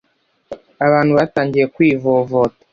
abantu batangiye kwivovota